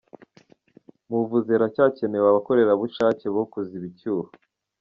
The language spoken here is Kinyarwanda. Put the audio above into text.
Mu buvuzi haracyakenewe abakorerabushake bo kuziba icyuho